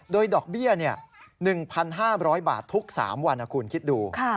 โดยดอกเบี้ย๑๕๐๐บาททุก๓วันนะคุณคิดดู